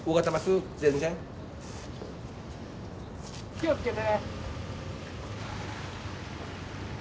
気をつけて。